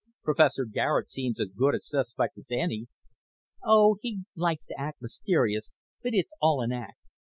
Professor Garet seems as good a suspect as any." "Oh, he likes to act mysterious, but it's all an act.